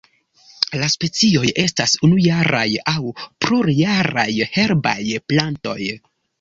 La specioj estas unujaraj aŭ plurjaraj herbaj plantoj.